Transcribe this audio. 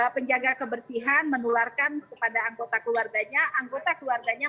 penjaga kebersihan menularkan kepada anggota keluarganya